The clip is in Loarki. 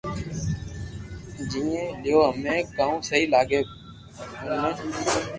جئين ليو ھمي ڪاو سھي لاگي منو